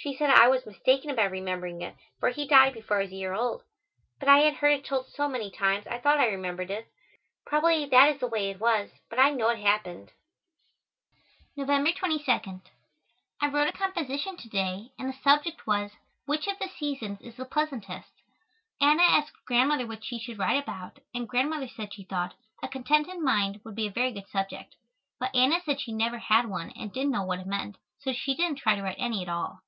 She said I was mistaken about remembering it, for he died before I was a year old, but I had heard it told so many times I thought I remembered it. Probably that is the way it was but I know it happened. November 22. I wrote a composition to day, and the subject was, "Which of the Seasons Is the Pleasantest?" Anna asked Grandmother what she should write about, and Grandmother said she thought "A Contented Mind" would be a very good subject, but Anna said she never had one and didn't know what it meant, so she didn't try to write any at all.